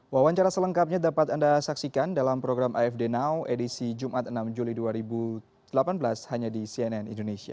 wawancara selengkapnya dapat anda saksikan dalam program afd now edisi jumat enam juli dua ribu delapan belas hanya di cnn indonesia